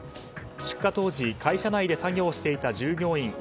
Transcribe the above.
出火当時会社内で作業をしていた従業員